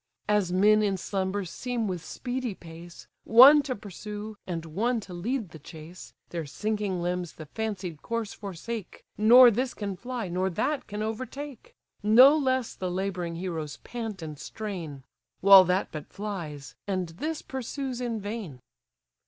As men in slumbers seem with speedy pace, One to pursue, and one to lead the chase, Their sinking limbs the fancied course forsake, Nor this can fly, nor that can overtake: No less the labouring heroes pant and strain: While that but flies, and this pursues in vain.